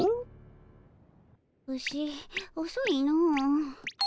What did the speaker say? ウシおそいの。